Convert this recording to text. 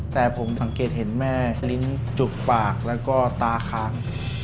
แต่ผมสังเกตเห็นแม่ลิ้นจุกปากแล้วก็ตาคาง